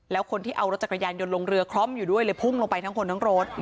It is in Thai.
แล้วคนที่เอารถจักรยานยนต์ลงเรือคล้อมอยู่ด้วยเลยพุ่งลงไปทั้งคนทั้งรถ